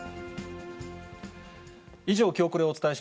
以上、きょうコレをお伝えし